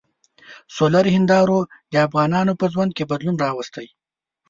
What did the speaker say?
سولري هندارو د افغانانو په ژوند کې بدلون راوستی.